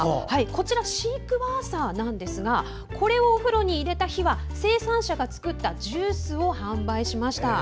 こちらはシークワーサーなんですがこれをお風呂に入れた日は生産者が作ったジュースを販売しました。